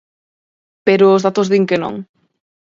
Pero os datos din que non.